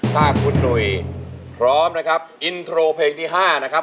ถ้าคุณหนุ่ยพร้อมนะครับอินโทรเพลงที่๕นะครับ